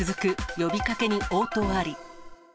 呼びかけに応答あり。